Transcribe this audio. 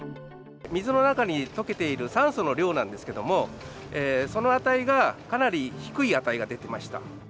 水の中に溶けている酸素の量なんですけども、その値が、かなり低い値が出てました。